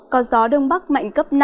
có gió đông bắc mạnh cấp năm